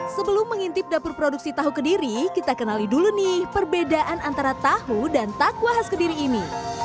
sebelum mengintip dapur produksi tahu kediri kita kenali dulu nih perbedaan antara tahu dan takwa khas kediri ini